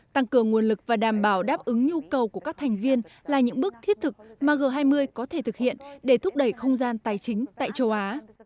tăng cường nguồn lực và đảm bảo đáp ứng nhu cầu của các thành viên là những bước thiết thực mà g hai mươi có thể thực hiện để thúc đẩy không gian tài chính tại châu á